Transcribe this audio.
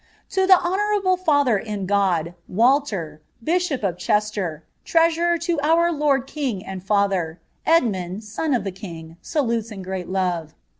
^ To the honourable father in God, Walter, bishop of Chester, trea surer to our lord, king, and father, Edmund son of the king, salutes in ;reat love.